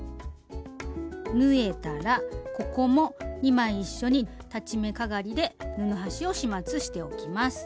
縫えたらここも２枚一緒に裁ち目かがりで布端を始末しておきます。